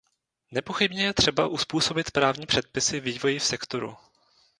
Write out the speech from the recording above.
Nepochybně je třeba uzpůsobit právní předpisy vývoji v sektoru.